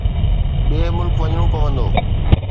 ٻئي ملڪ وڃڻو پوندو